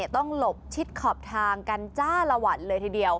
หลบชิดขอบทางกันจ้าละวันเลยทีเดียว